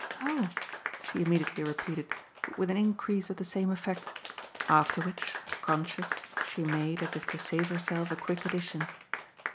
"Oh!" she immediately repeated, but with an increase of the same effect. After which, conscious, she made, as if to save herself, a quick addition.